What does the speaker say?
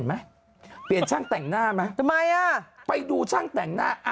นางไม่ยอมแก่เนอะ